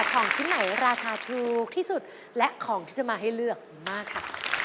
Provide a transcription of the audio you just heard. ของชิ้นไหนราคาถูกที่สุดและของที่จะมาให้เลือกมากค่ะ